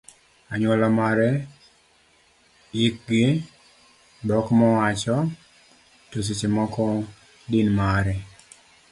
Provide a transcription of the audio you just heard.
anyuola mare, hikgi, dhok mowacho, to seche moko din mare